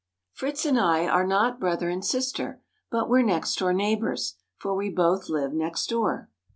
] Fritz and I are not brother and sister, but we're next door neighbours; for we both live next door.